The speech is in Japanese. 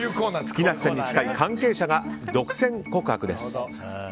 木梨さんに近い関係者が独占告白です。